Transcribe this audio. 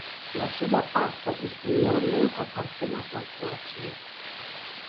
La suda parto Istrio nun apartenas al Kroatio.